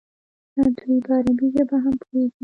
دوی په عربي ژبه هم پوهېږي.